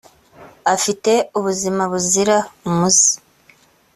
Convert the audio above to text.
afite ubuzima buzira umuze